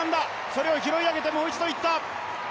それを拾い上げてもう一度いった。